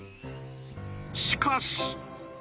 しかし。